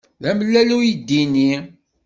D amellal uydi-nni.